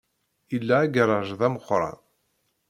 Ila agaṛaj d ameqran.